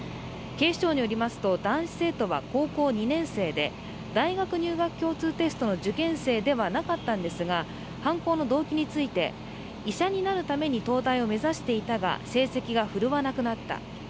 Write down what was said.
警視庁によりますと、男子生徒は高校２年生で、大学入学共通テストの受験生ではなかったんですが犯行の動機について、医者になるために東大を目指していたが、成績が振るわなくなった。